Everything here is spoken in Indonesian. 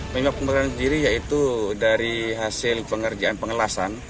membuat pembakaran diri yaitu dari hasil pengerjaan pengelasan